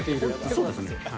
そうですね。